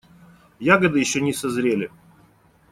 Ягоды еще не созрели.